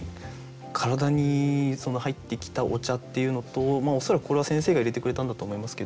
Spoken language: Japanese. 体に入ってきたお茶っていうのと恐らくこれは先生が入れてくれたんだと思いますけど。